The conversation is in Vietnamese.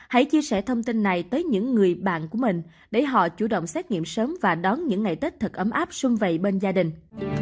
hãy chia sẻ thông tin này tới những người bạn của mình để họ chủ động xét nghiệm sớm và đón những ngày tết thật ấm áp xuân vầy bên gia đình